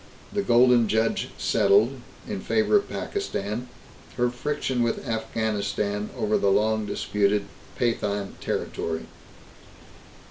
The Golden Judge settled in favor of Pakistan her friction with Afghanistan over the long disputed Pathan territory.